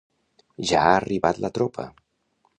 Ja ha arribat la tropa.